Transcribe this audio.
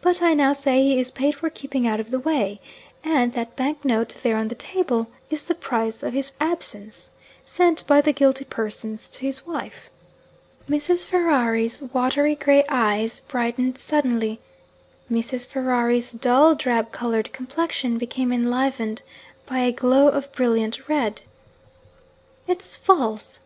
But I now say he is paid for keeping out of the way and that bank note there on the table is the price of his absence, sent by the guilty persons to his wife.' Mrs. Ferrari's watery grey eyes brightened suddenly; Mrs. Ferrari's dull drab coloured complexion became enlivened by a glow of brilliant red. 'It's false!'